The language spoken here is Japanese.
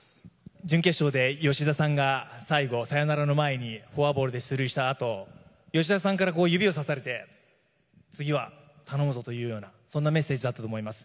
準決勝で吉田さんが最後サヨナラの前にフォアボールで出塁したあと吉田さんから指をさされて次は頼むぞというような、そんなメッセージだったと思います。